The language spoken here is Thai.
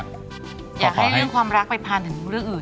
อยากให้เรื่องความรักไปผ่านถึงเรื่องอื่น